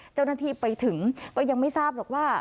เจ้าหน้าที่ไปถึงก็ยังไม่ทราบหรอกว่า